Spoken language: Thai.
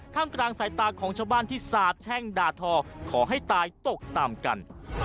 กลางสายตาของชาวบ้านที่สาบแช่งด่าทอขอให้ตายตกตามกัน